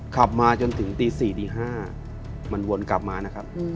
ขับมาจนถึงตี๔ตี๕มันวนกลับมานะครับ